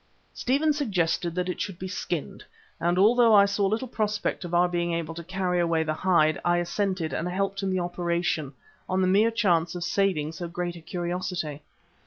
Stephen suggested that it should be skinned, and although I saw little prospect of our being able to carry away the hide, I assented and helped in the operation on the mere chance of saving so great a curiosity.